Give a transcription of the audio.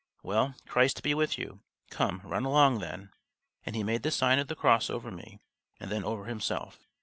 "Well, Christ be with you! Come, run along then," and he made the sign of the cross over me and then over himself.